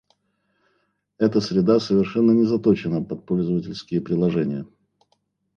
Эта среда совершенно не заточена под пользовательские приложения